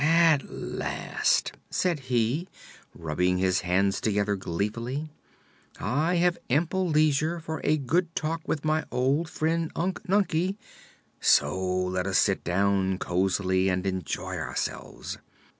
"At last," said he, rubbing his hands together gleefully, "I have ample leisure for a good talk with my old friend Unc Nunkie. So let us sit down cosily and enjoy ourselves.